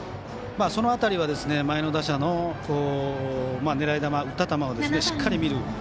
その辺りは前の打者の狙い球打った球をしっかり見る。